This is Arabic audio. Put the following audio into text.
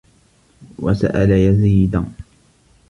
وَسَأَلَ يَزِيدَ